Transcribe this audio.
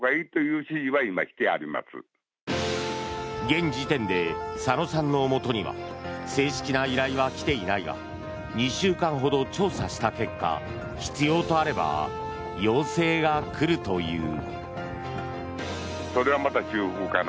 現時点で左野さんのもとには正式な依頼は来ていないが２週間ほど調査した結果必要とあれば要請が来るという。